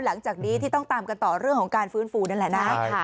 หลังจากนี้ที่ต้องตามกันต่อเรื่องของการฟื้นฟูนั่นแหละนะ